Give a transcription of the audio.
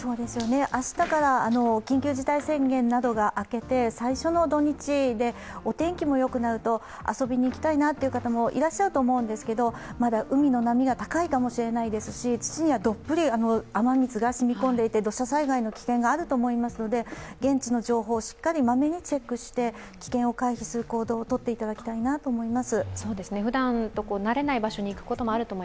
明日から緊急事態宣言などが明けて最初の土日で、お天気もよくなると遊びに行きたいなという方もいらっしゃると思いますけどまだ海の波が高いかもしれないですし土にはどっぷり雨水がしみ込んでいて、土砂災害の危険もありますので現地の情報、しっかりまめにチェックして危険を回避する行動をとっていただきたいと思います。